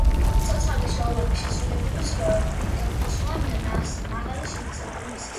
ცოცხალი შოუების შესრულებისთვის კრიტიკოსებმა მას მაღალი შეფასებები მისცეს.